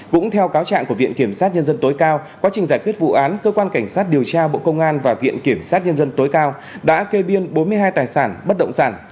cũng theo cáo trạng của viện kiểm sát nhân dân tối cao quá trình giải quyết vụ án cơ quan cảnh sát điều tra bộ công an và viện kiểm sát nhân dân tối cao đã kê biên bốn mươi hai tài sản bất động sản